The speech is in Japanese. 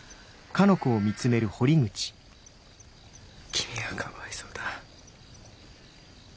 君はかわいそうだ。